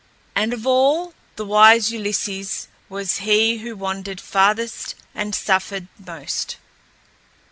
And of all, the wise Ulysses was he who wandered farthest and suffered most.